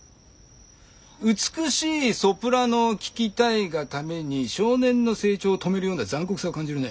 美しいソプラノを聞きたいがために少年の成長を止めるような残酷さを感じるね。